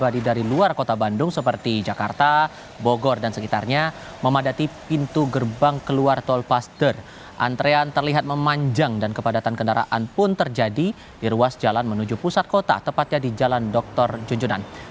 jalan jalan dokter junjunan